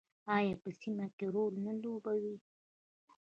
آیا په سیمه کې رول نه لوبوي؟